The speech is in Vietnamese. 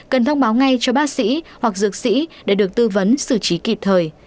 cần thông báo ngay cho bác sĩ hoặc dược sĩ để được tư vấn xử trí kịp thời